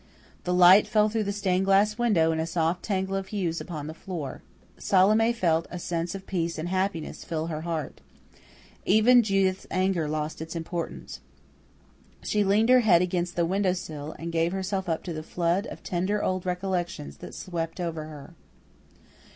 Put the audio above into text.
The light fell through the stained glass window in a soft tangle of hues upon the floor. Salome felt a sense of peace and happiness fill her heart. Even Judith's anger lost its importance. She leaned her head against the window sill, and gave herself up to the flood of tender old recollections that swept over her.